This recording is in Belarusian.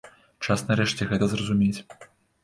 Час нарэшце гэта зразумець.